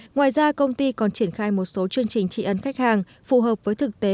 ngoài ra công ty còn triển khai một số chương trình trị ấn khách hàng phù hợp với thực tế